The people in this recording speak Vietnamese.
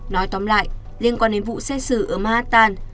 nói tóm lại liên quan đến vụ xét xử ở manhattan